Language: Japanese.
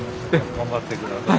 頑張って下さい。